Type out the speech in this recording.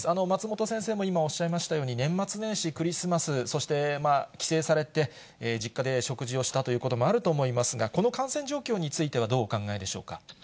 松本先生も今、おっしゃいましたように、年末年始、クリスマス、そして帰省されて実家で食事をしたということもあると思いますが、この感染状況についてはどうお考えでしょうか。